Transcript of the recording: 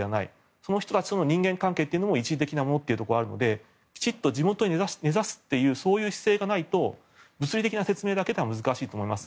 その人たちとの人間関係も一時的なところがあるのできちんと地元に根差すというそういう姿勢がないと物理的な説明だけでは難しいと思います。